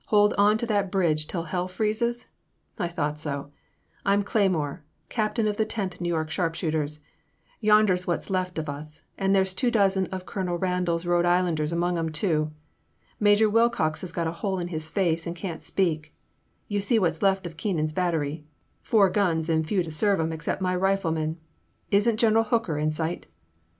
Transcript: — I thought so, — I 'm Cleymore, Captain in the loth New York Sharpshooters, yonder 's what *s left of us, and there 's two dozen of Colonel Randal's Rhode Islanders among 'em, too. Major Wilcox has got a hole in his face, and can't speak — ^you see what 's left of Keenan's bat tery — four guns, and few to serve 'em except my riflemen. Is n't General Hooker in sight